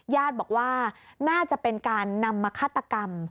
ญาติบอกว่าน่าจะเป็นการนำมาฆาตกรรม